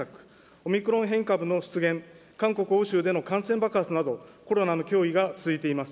オミクロン変異株の出現、韓国や欧州での感染爆発など、コロナの脅威が続いています。